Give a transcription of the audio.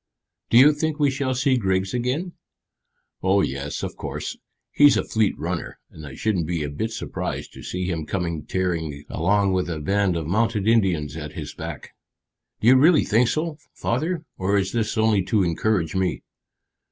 "Do you think we shall see Griggs again?" "Oh yes, of course. He's a fleet runner, and I shouldn't be a bit surprised to see him come tearing along with a band of mounted Indians at his back." "Do you really think so, father, or is this only to encourage me?"